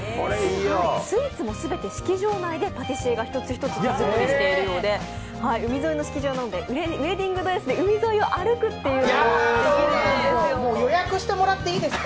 スイーツも全て式場内でパティシェが一つ一つ手作りしているそうで、海沿いの式場なのでウエディングドレスで海沿いを歩くというのも、きれいなんですよ。